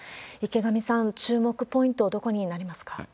池上さん、注目ポイント、どこになりますか？